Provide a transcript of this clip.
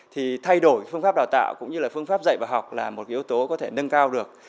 thì thay đổi phương pháp đào tạo cũng như là phương pháp dạy và học là một yếu tố có thể nâng cao được